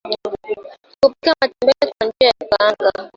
Kupika matembele kwa njia ya kukaanga